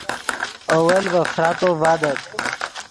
اول ڤے فراتو ڤادت